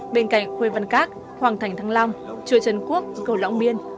bên cạnh khuê văn các hoàng thành thăng long chùa trần quốc cầu lõng biên